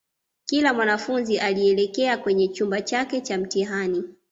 kila mwanafunzi alielekea kwenye chumba chake cha mtihani